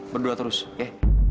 berdua terus ya